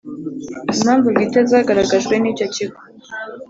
impamvu bwite zagaragajwe n icyo kigo